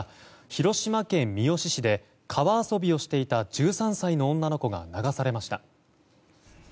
広島県三次市で川遊びをしていた１３歳の女の子が流されました。